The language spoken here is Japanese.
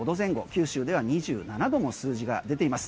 九州では２７度の数字が出ています。